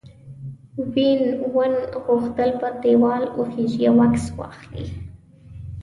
وین وون غوښتل پر دیوال وخیژي او عکس واخلي.